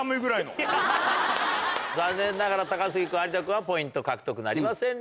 残念ながら高杉君有田君はポイント獲得なりませんでした。